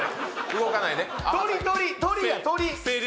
動かないで。